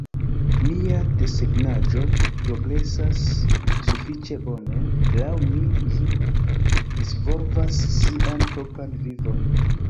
Mia desegnaĵo progresas sufiĉe bone, laŭ mi; ĝi disvolvas sian propran vivon.